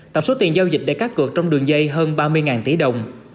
tổng số tiền giao dịch để cắt cược trong đường dây hơn ba mươi tỷ đồng